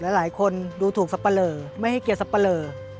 หลายคนดูถูกสับปะเลอไม่ให้เกียรติสับปะเลอ